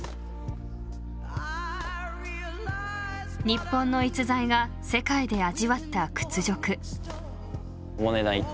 ［日本の逸材が世界で味わった屈辱］